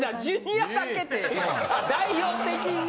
あ代表的に。